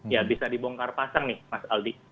ya bisa dibongkar pasang nih mas aldi